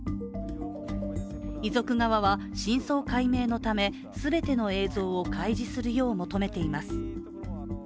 遺族側は、真相解明のため全ての映像を開示するよう求めています。